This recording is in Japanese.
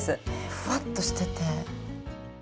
ふわっとしてて。